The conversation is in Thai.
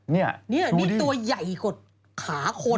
นี่นี่ตัวใหญ่กว่าขาคน